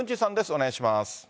お願いします。